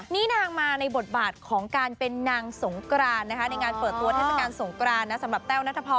นี่นางมาในบทบาทของการเป็นนางสงกรานนะคะในงานเปิดตัวเทศกาลสงกรานนะสำหรับแต้วนัทพร